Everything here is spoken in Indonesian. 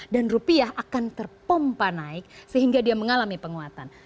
dan rupiah akan terpompa naik sehingga dia mengalami penguatan